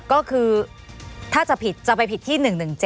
ก็คือถ้าจะผิดจะไปผิดที่๑๑๗